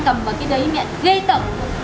con cầm vào cái đấy mẹ gây tẩm